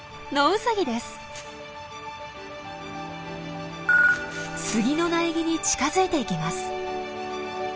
スギの苗木に近づいていきます。